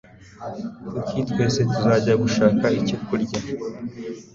Kuki twese tutajya gushaka icyo kurya?